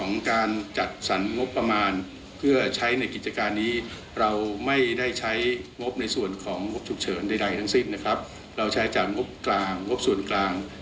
นำนาสาร๓เป็นไปตามนุยบายของรัฐบาล